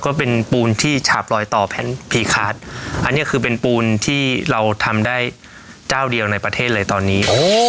ก็เป็นปูนที่ฉาบลอยต่อแผ่นพีคาร์ดอันนี้คือเป็นปูนที่เราทำได้เจ้าเดียวในประเทศเลยตอนนี้